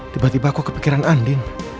tiba tiba aku kepikiran andin